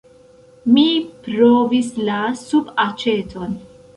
Mi provis la subaĉeton.